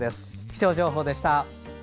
気象情報でした。